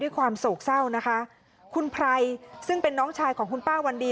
คุณไพรซึ่งเป็นน้องชายของคุณป้าวันดี